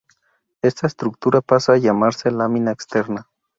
Ésta estructura pasa a llamarse lámina externa.